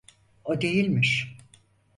O değilmiş.